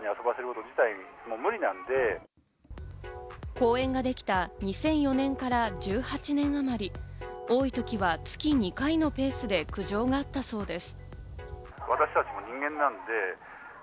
公園ができた２００４年から１８年あまり、多いときは月２回のペースで苦情があったそうです。